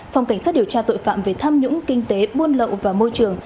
phòng cảnh sát điều tra tội phạm về tham nhũng kinh tế buôn lậu và môi trường